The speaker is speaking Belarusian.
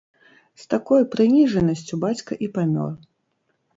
З такой прыніжанасцю бацька і памёр.